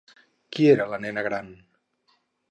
Qui era la nena gran?